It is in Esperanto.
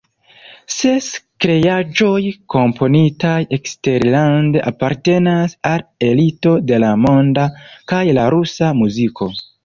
Ses kreaĵoj komponitaj eksterlande apartenas al elito de la monda kaj la rusa muziko.